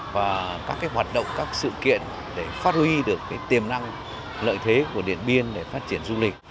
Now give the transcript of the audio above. và các hoạt động các sự kiện để phát huy được tiềm năng lợi thế của điện biên để phát triển du lịch